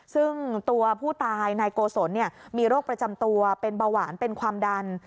ซึ่งตัวผู้ตายนายโกศลมีโรคประจำตัวเป็นเบาหวานเป็นความดัน